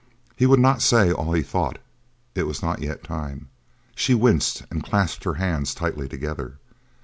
He would not say all he thought; it was not yet time. She winced and clasped her hands tightly together.